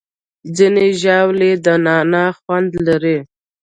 ځینې ژاولې د نعناع خوند لري.